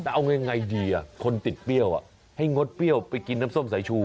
แต่เอายังไงดีคนติดเปรี้ยวให้งดเปรี้ยวไปกินน้ำส้มสายชู